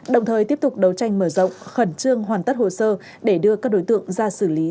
đồng thời tiếp tục đấu tranh mở rộng khẩn trương hoàn tất hồ sơ để đưa các đối tượng ra xử lý